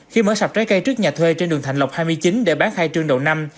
khi mở sạp trái cây trước nhà thuê trên đường thạnh lộc hai mươi chín để bán khai trương đầu năm